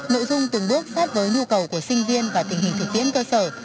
nội dung từng bước sát với nhu cầu của sinh viên và tình hình thực tiễn cơ sở